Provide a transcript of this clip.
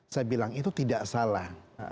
saya bilang itu tidak salah